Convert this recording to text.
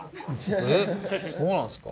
えっそうなんですか。